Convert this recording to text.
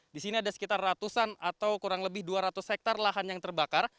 di sini ada sekitar ratusan atau kurang lebih dua ratus hektare lahan yang terbakar